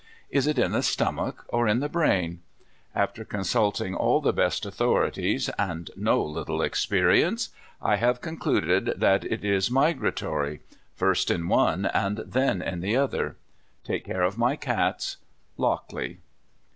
Is it in the stomach, or in the brain. * After con sulting all the best authorities, and no little exferienee, I have concluded that it is migratory — first in one, and then in the other! Take care of my cats. Lockley.